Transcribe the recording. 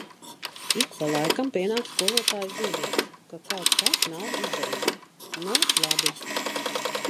Ik pa laikam pienāk skolotāju zīmītes, ka kaut kas nav izdarīts. Nu, labi.